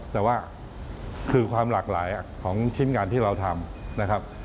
แต่ว่าคือความหลากหลายของชิ้นงานที่เราทำนะครับ